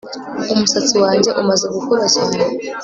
umusatsi wanjye umaze gukura cyane